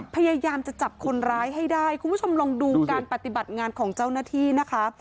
พยายามจะจับคนร้ายให้ได้คุณผู้ชมลองดูการปฏิบัติงานของเจ้าหน้าที่นะคะ